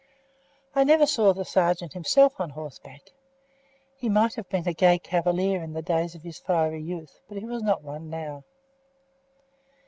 I never saw the sergeant himself on horseback. He might have been a gay cavalier in the days of his fiery youth, but he was not one now.